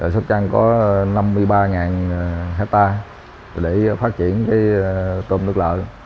sóc trăng có năm mươi ba ha để phát triển tôm nước lợ